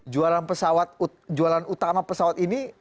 jualan pesawat jualan utama pesawat ini